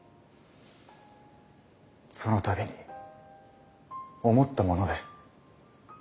そのたびに思ったものです。